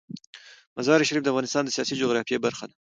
مزارشریف د افغانستان د سیاسي جغرافیه برخه ده.